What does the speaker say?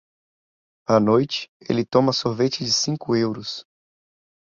À noite ele toma sorvete de cinco euros.